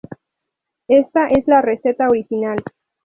Esta es la receta original.